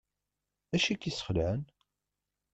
Acu i k-yesxelεen?